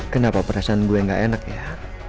kenapa perasaan gue gak enak ya